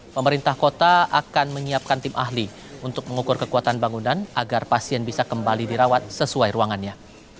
pemerintah kota akan menyiapkan tim ahli untuk mengukur kekuatan bangunan agar pasien bisa kembali dirawat sesuai ruangannya